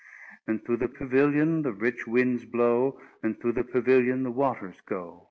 And through the pavilion the rich winds blow, And through the pavilion the waters go.